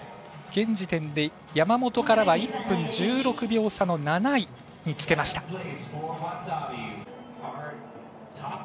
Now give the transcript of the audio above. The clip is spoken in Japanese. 現時点で山本からは１分１６秒差の７位につけました。